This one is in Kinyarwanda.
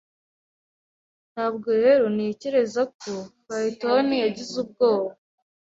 Ntabwo rero ntekereza ko Phaethon yagize ubwoba